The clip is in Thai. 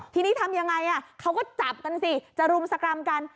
ทีนี้ทำยังไงเขาก็จับกันสิจะรุมสกรรมกัน